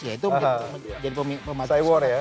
ya itu mungkin jadi pemacu